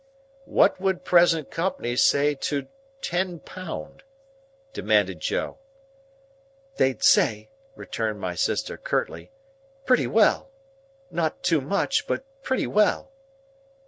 "What would present company say to ten pound?" demanded Joe. "They'd say," returned my sister, curtly, "pretty well. Not too much, but pretty well."